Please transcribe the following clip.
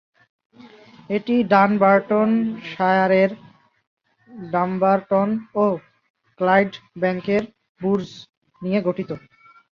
এটি ডানবার্টনশায়ারের ডাম্বারটন ও ক্লাইডব্যাংকের বুর্জ নিয়ে গঠিত।